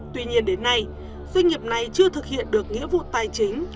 tuy nhiên đến nay doanh nghiệp này chưa thực hiện được nghĩa vụ tài chính